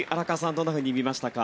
どんなふうに見ましたか？